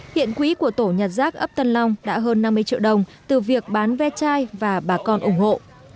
hiện quỹ của tổ nhặt rác ấp tân long đã hơn năm mươi triệu đồng từ việc bán ve chai và bà con ủng hộ